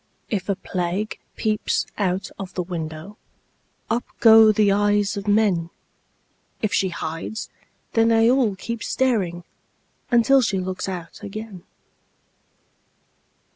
If a Plague peeps out of the window, Up go the eyes of men; If she hides, then they all keep staring Until she looks out again.